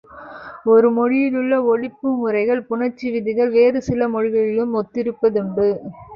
ஒரு மொழியிலுள்ள ஒலிப்பு முறைகள் புணர்ச்சி விதிகள், வேறுசில மொழிகளிலும் ஒத்திருப்பதுண்டு.